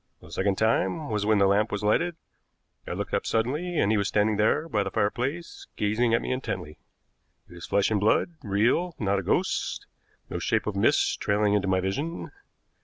The second time was when the lamp was lighted. I looked up suddenly, and he was standing there by the fireplace gazing at me intently. He was flesh and blood, real, not a ghost, no shape of mist trailing into my vision.